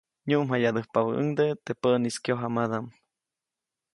Nyuʼmjayadäjubäʼuŋdeʼe teʼ päʼnis kyojamadaʼm.